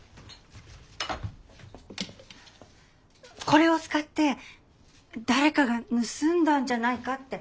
これを使って誰かが盗んだんじゃないかって。